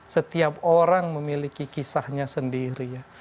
setiap orang memiliki kisahnya sendiri ya